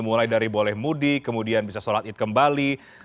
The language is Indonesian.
mulai dari boleh mudik kemudian bisa sholat id kembali